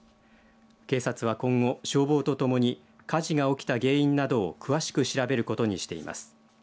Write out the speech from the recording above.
警察は今後消防とともに火事が起きた原因などを詳しく調べることにしています。